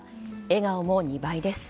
笑顔も２倍です。